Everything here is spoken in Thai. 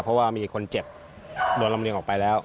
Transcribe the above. เพราะว่ามีคนเจ็บโดนลำเรียงออกไปแล้ว